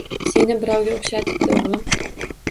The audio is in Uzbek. Seni birovga o'xshatibdi, o'g'lim.